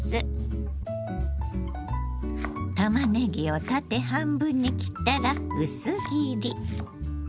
たまねぎを縦半分に切ったら薄切り。